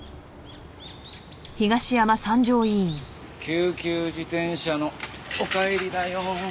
救急自転車のお帰りだよん。